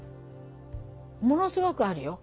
ものすごくあるよ。